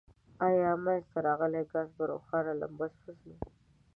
آیا منځ ته راغلی ګاز په روښانه لمبه سوځیږي؟